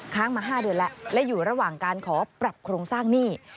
ค้างมา๕เดือนแล้วและอยู่ระหว่างการขอปรับโครงสร้างหนี้